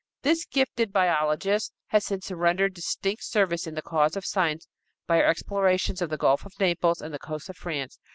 This gifted biologist has since rendered distinct service in the cause of science by her explorations of the Gulf of Naples and the coasts of France.